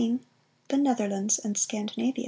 13. THE NETHERLANDS AND SCANDINAVIA.